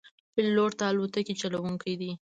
پیلوټ د الوتکې چلوونکی دی.